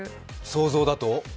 想像だと？